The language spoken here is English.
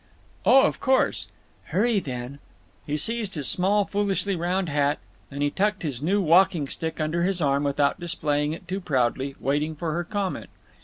"Oh, of course—" "Hurry, then!" He seized his small foolishly round hat, and he tucked his new walking stick under his arm without displaying it too proudly, waiting for her comment.